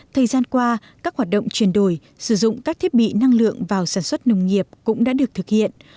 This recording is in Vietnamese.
thời gian qua các hoạt động chuyển đổi sử dụng các thiết bị năng lượng vào sản xuất nông nghiệp cũng đã được thực hiện